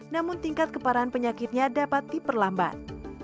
namun tingkat keparahan penyakitnya dapat diperlambat